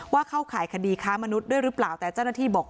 เข้าข่ายคดีค้ามนุษย์ด้วยหรือเปล่าแต่เจ้าหน้าที่บอก